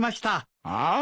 ああ。